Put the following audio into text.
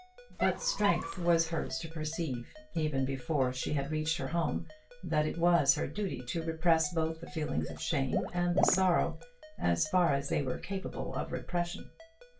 But strength was hers to perceive, even before she had reached her home, that it was her duty to repress both the feeling of shame and the sorrow, as far as they were capable of repression.